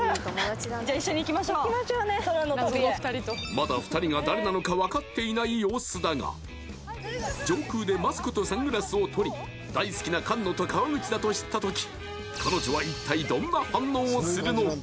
まだ２人が誰なのか分かっていない様子だが上空でマスクとサングラスをとり大好きな菅野と川口だと知った時彼女は一体どんな反応をするのか？